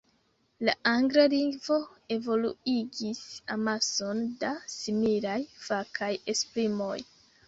La angla lingvo evoluigis amason da similaj fakaj esprimoj.